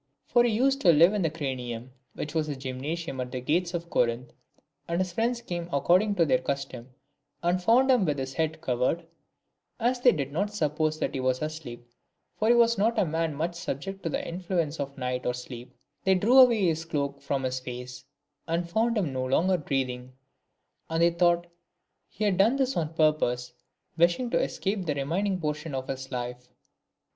For he used to live in the Craneum, which was a Gymnasium at the gates of Corinth. And his friends came according to their custom, and found him with his head covered ; and as they did not suppose that he was asleep, for he was not a man much subject to the influence of night or sleep, they drew away his cloak from his face, and found him no longer breathing ; and they thought that he had done this on purpose, wishing to escape the remaining portion of his life.